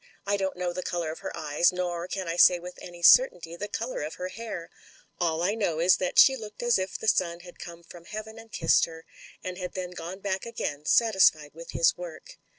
I don't know the colour of her eyes, nor can I say with 99 loo MEN, WOMEN AND GU^S any certainty the colour of her hair ; all I know is that she looked as if the sun had come from heaven and kissed her, and had then gone back again satisfied with his work.